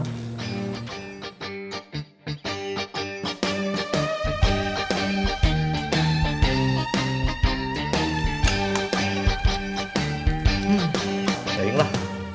hmm dayung lah